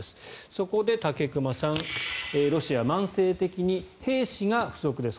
そこで武隈さん、ロシアは慢性的に兵士が不足です。